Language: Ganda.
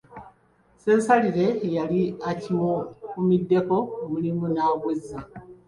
Ssensalire eyali akimukuumiddeko omulimu n’agwezza.